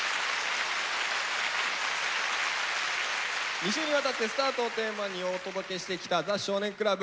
２週にわたって「ＳＴＡＲＴ」をテーマにお届けしてきた「ザ少年倶楽部」。